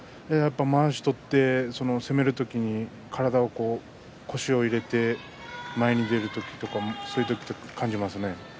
まわしを取って攻める時に体を腰を入れて前に出る時とかそういう時に感じます。